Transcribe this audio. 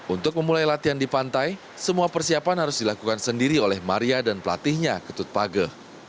untuk memulai latihan di pantai semua persiapan harus dilakukan sendiri oleh maria dan pelatihnya ketut page